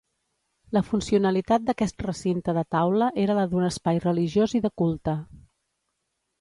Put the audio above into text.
La funcionalitat d'aquest recinte de taula era la d'un espai religiós i de culte.